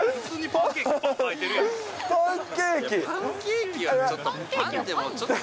パンケーキはちょっと。